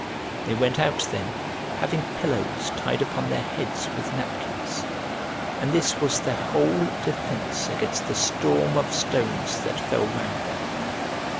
They went out then, having pillows tied upon their heads with napkins; and this was their whole defence against the storm of stones that fell round them.